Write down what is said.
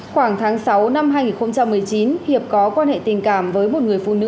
khoảng tháng sáu năm hai nghìn một mươi chín hiệp có quan hệ tình cảm với một người phụ nữ